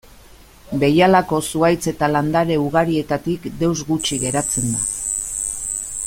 Behialako zuhaitz eta landare ugarietatik deus gutxi geratzen da.